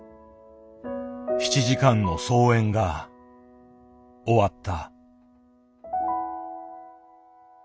７時間の操演が終わった。